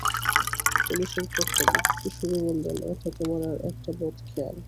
পুলিশের কর্তা বিরক্তির সুরে বললেন, এটা তোমার আর একটা বদখেয়াল।